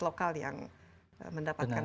lokal yang mendapatkan manfaatnya